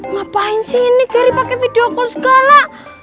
ngapain sih ini geri pakai video call segala